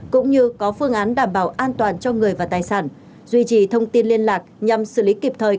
cũng như có phương án đảm bảo an toàn cho người và tài sản duy trì thông tin liên lạc nhằm xử lý kịp thời